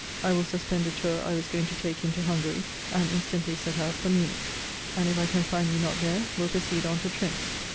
I will suspend a tour I was going to take into Hungary, and instantly set out for Munich; and, if I can find you not there, will proceed on to Trent.